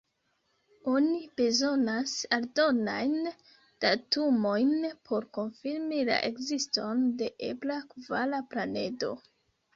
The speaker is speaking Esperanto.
Oni bezonas aldonajn datumojn por konfirmi la ekziston de ebla kvara planedo.